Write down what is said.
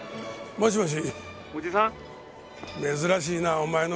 もしもし？